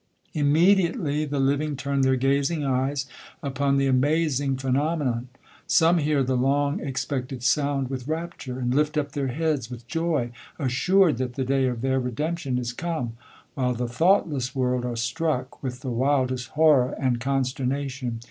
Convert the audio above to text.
Immediately the living turn their ga zing eyes upon the amazing phenomenon: some hear the Iong.»A pected sound with rapture, and lift up their heads with^ joy, assured that the day of their redemption is conie ; w^hile the thoughdcss world arc struck with the wild | est horror and consternation.